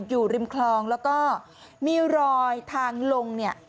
อยู่ริมคลองแล้วก็มีรอยทางลงเนี่ย